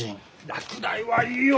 落第はいいよ！